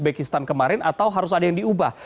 pakistan kemarin atau harus ada yang diubah